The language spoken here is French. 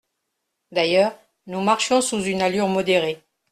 D'ailleurs, nous marchions sous une allure modérée.